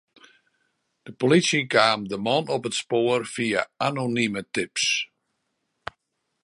De polysje kaam de man op it spoar fia anonime tips.